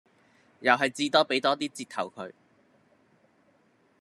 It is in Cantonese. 又係至多俾多 d 折頭佢